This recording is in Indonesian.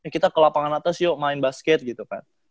kita ke lapangan atas yuk main basket gitu kan